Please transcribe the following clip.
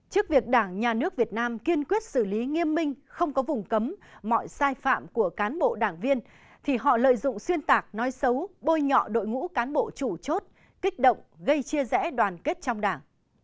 trước việc đảng nhà nước việt nam kiên quyết xử lý nghiêm minh không có vùng cấm mọi sai phạm của cán bộ đảng viên thì họ lợi dụng xuyên tạc nói xấu bôi nhọ đội ngũ cán bộ chủ chốt kích động gây chia rẽ đoàn kết trong đảng